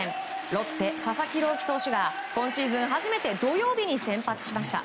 ロッテ、佐々木朗希投手が今シーズン初めて土曜日に先発しました。